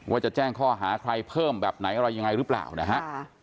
ว่าจะแจ้งข้อหาใครเพิ่มแบบไหนอะไรยังไงหรือเปล่านะฮะ